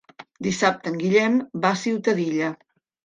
Dissabte en Guillem va a Ciutadilla.